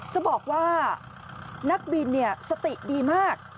จะบอกว่านักบินสติดีมาก